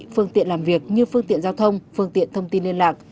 phương tiện làm việc như phương tiện giao thông phương tiện thông tin liên lạc